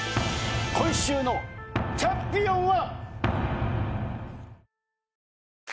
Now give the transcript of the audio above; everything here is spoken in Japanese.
今週のチャンピオンは。